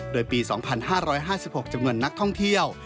โดยปี๒๕๕๖จำนวนนักท่องเที่ยว